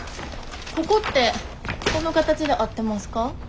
ここってこの形で合ってますか？